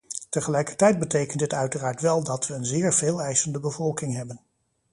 Tegelijkertijd betekent dit uiteraard wel dat we een zeer veeleisende bevolking hebben.